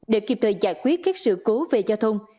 để kịp thời giải quyết các sự cố về giao thông